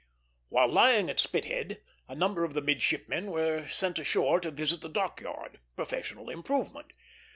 While lying at Spithead, a number of the midshipmen were sent ashore to visit the dock yard, professional improvement.